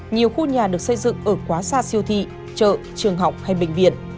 nhiều khu nhà được xây dựng ở quá xa siêu thị chợ trường học hay bệnh viện